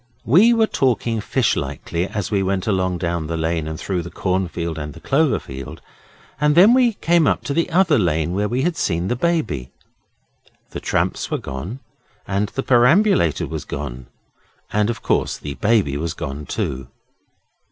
We were talking fishlikely as we went along down the lane and through the cornfield and the cloverfield, and then we came to the other lane where we had seen the Baby. The tramps were gone, and the perambulator was gone, and, of course, the Baby was gone too.